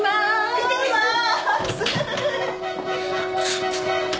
いってきます。